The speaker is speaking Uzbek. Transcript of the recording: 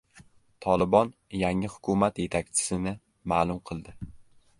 “Tolibon” yangi hukumat yetakchisini ma’lum qildi